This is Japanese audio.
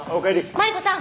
マリコさん